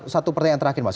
satu pertanyaan terakhir mas